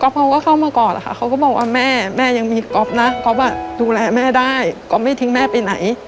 เขาก็เข้ามากอดอะค่ะเขาก็บอกว่าแม่แม่ยังมีก๊อฟนะก๊อฟดูแลแม่ได้ก๊อปไม่ทิ้งแม่ไปไหน